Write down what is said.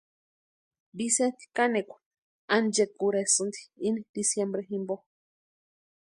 Vicenti kanikwa anchekurhesïnti ini diciembre jimpo.